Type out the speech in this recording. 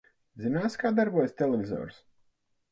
Zināsi, kā darbojas televizors?